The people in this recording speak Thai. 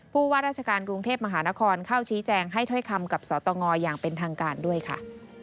ว่าราชการกรุงเทพมหานครเข้าชี้แจงให้ถ้อยคำกับสตงอย่างเป็นทางการด้วยค่ะ